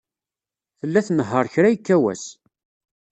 Tella tnehheṛ kra yekka wass.